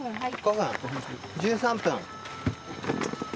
１３分。